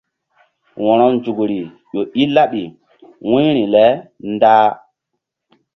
Wo̧ronzukri ƴo i laɓi wu̧yri le ndah.